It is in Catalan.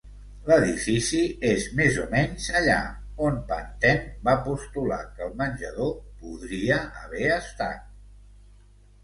L'edifici és més o menys allà on Pantin va postular que el menjador podria haver estat.